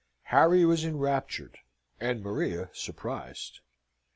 Harry was enraptured, and Maria surprised.